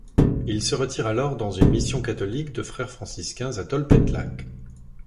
Il se retire alors dans une mission catholique de frères franciscains à Tolpetlac.